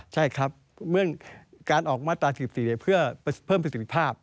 ใช่ครับเมื่อการออกมาตรา๔๔เพื่อเพิ่มประสิทธิภาพ